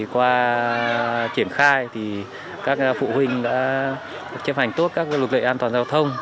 qua triển khai các phụ huynh đã chấp hành tốt các luật lệ an toàn giao thông